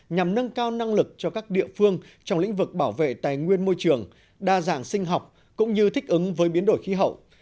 nhằm nâng cao năng lực cho các địa phương trong lĩnh vực bảo vệ tài nguyên môi trường đa dạng sinh học cũng như thích ứng với biến đổi khí hậu